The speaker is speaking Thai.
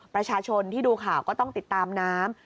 ประชาชนที่ดูข่าวก็ต้องติดตามน้ำ